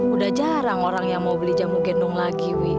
udah jarang orang yang mau beli jamu gendong lagi wi